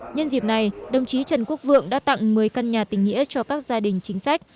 nhân dịp này đồng chí trần quốc vượng đã tặng một mươi căn nhà tình nghĩa cho các gia đình chính sách